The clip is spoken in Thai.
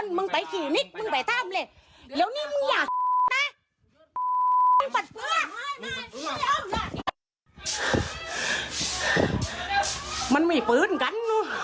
มันมีปืนกัน